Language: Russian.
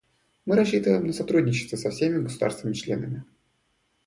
Мы рассчитываем на сотрудничество со всеми государствами-членами.